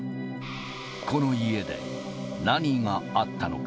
この家で、何があったのか。